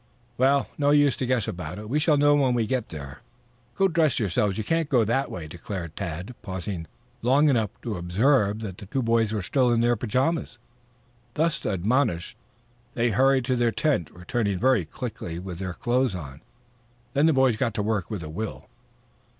"Well, no use to guess about it. We shall know when we get there " "Go dress yourselves. You can't go that way," declared Tad, pausing long enough to observe that the two boys were still in their pajamas. Thus admonished, they hurried to their tent, returning very quickly with their clothes on. Then the boys got to work with a will.